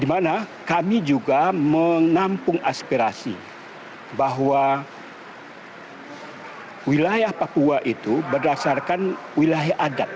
di mana kami juga menampung aspirasi bahwa wilayah papua itu berdasarkan wilayah adat